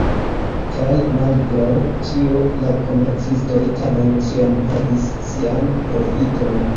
Kaj, malgraŭ ĉio, la komercistoj tamen ĉiam havis sian profiton!